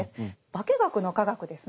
化け学の化学ですね。